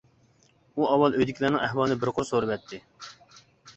ئۇ ئاۋۋال ئۆيدىكىلەرنىڭ ئەھۋالىنى بىر قۇر سورىۋەتتى.